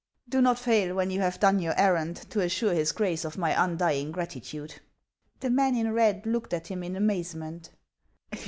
"Do not fail, when you have done your errand, to assure his Grace of my undying gratitude." The man in red looked at him in amazement.